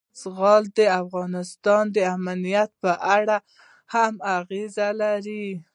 زغال د افغانستان د امنیت په اړه هم اغېز لري.